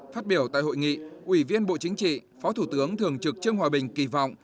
phát biểu tại hội nghị ủy viên bộ chính trị phó thủ tướng thường trực trương hòa bình kỳ vọng